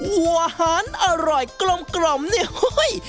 อาหารอร่อยกลมเนี่ยเฮ้ย